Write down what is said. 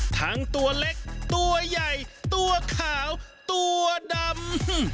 ทั้งตัวเล็กตัวใหญ่ตัวขาวตัวดำ